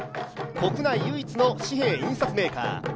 国内唯一の紙幣印刷メーカー。